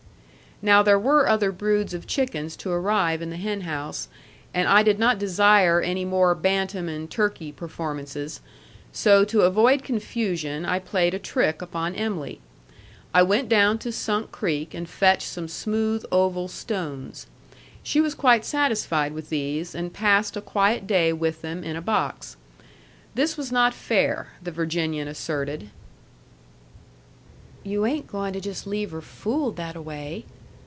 Now there were other broods of chickens to arrive in the hen house, and I did not desire any more bantam and turkey performances. So, to avoid confusion, I played a trick upon Em'ly. I went down to Sunk Creek and fetched some smooth, oval stones. She was quite satisfied with these, and passed a quiet day with them in a box. This was not fair, the Virginian asserted. "You ain't going to jus' leave her fooled that a way?"